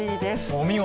お見事。